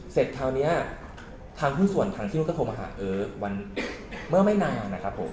เสร็จคราวนี้ทางผู้ส่วนทางที่นู้นก็โทรมาหาเอิร์กวันเมื่อไม่นานนะครับผม